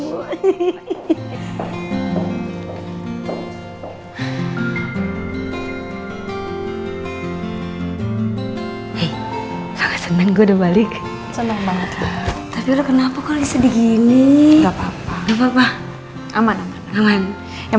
gue udah balik senang banget tapi lu kenapa kau sedih gini enggak apa apa aman aman yang